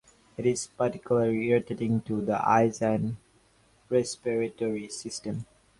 It is particularly irritating to the eyes and respiratory system.